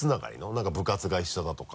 なんか部活が一緒だとか。